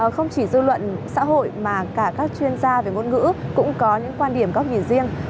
không chỉ dư luận xã hội mà cả các chuyên gia về ngôn ngữ cũng có những quan điểm góc nhìn riêng